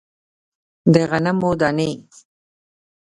د غنمو دانې